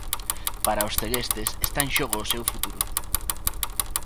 Para os celestes está en xogo o seu futuro.